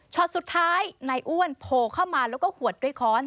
สุดท้ายนายอ้วนโผล่เข้ามาแล้วก็หวดด้วยค้อน